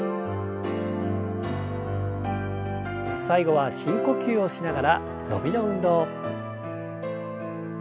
最後は深呼吸をしながら伸びの運動。